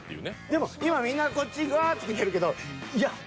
でも今みんなこっちワーッて来てるけどいやっ